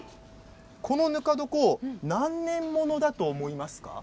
このぬか床何年ものだと思いますか。